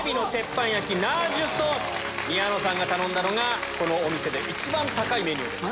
宮野さんが頼んだのがこのお店で一番高いメニューです。